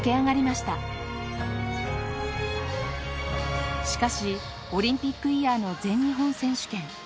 しかしオリンピックイヤーの全日本選手権。